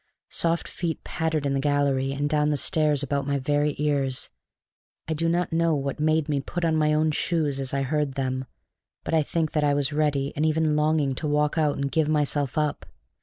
Soft feet pattered in the gallery and down the stairs about my very ears. I do not know what made me put on my own shoes as I heard them, but I think that I was ready and even longing to walk out and give myself up.